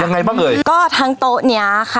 ยังไงบ้างเอ่ยก็ทั้งโต๊ะเนี้ยค่ะ